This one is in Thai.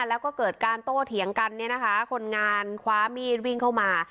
แล้วก็เกิดการโตเถียงกันเนี่ยนะคะคนงานคว้ามีดวิ่งเข้ามา